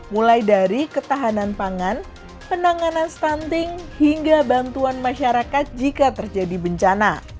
mulai dari ketahanan pangan penanganan stunting hingga bantuan masyarakat jika terjadi bencana